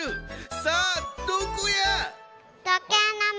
さあどこや？